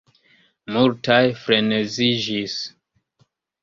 Multaj freneziĝis.